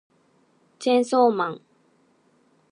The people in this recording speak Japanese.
チェーンソーマン